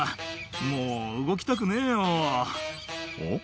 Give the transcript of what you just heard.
「もう動きたくねえよおっ？」